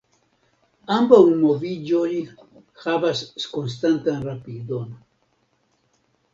Ambaŭ moviĝoj havas konstantan rapidon.